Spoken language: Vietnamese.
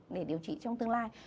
để điều trị trong tương lai